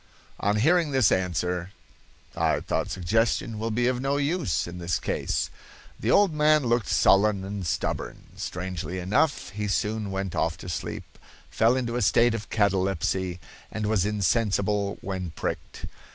On hearing this answer I thought suggestion will be of no use in this case. The old man looked sullen and stubborn. Strangely enough, he soon went off to sleep, fell into a state of catalepsy, and was insensible when pricked.